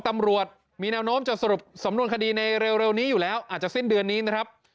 ตำรวจมีแนวโน้มจะสรุปสำนวนคดีในเร็วนี้อยู่แล้วอาจจะสิ้นเดือนนี้นะครับ